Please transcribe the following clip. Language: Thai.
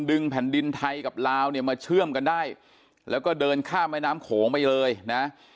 แผ่นดินไทยกับลาวเนี่ยมาเชื่อมกันได้แล้วก็เดินข้ามแม่น้ำโขงไปเลยนะ